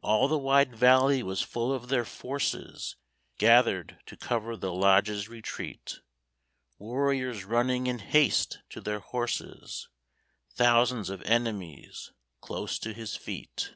All the wide valley was full of their forces, Gathered to cover the lodges' retreat! Warriors running in haste to their horses, Thousands of enemies close to his feet!